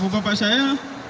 ibu bapak saya